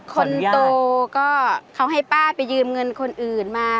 คนโตก็เขาให้ป้าไปยืมเงินคนอื่นมา